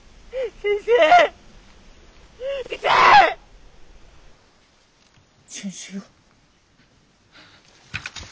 先生先生。